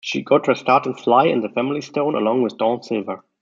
She got her start in Sly and the Family Stone, along with Dawn Silva.